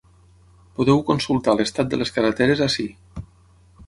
Podeu consultar l’estat de les carreteres ací.